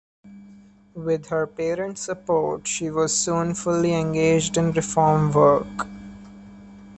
With her parents' support, she was soon fully engaged in reform work.